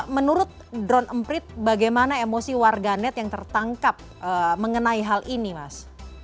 menurut drone emprit bagaimana emosi warganet yang tertangkap mengenai hal ini mas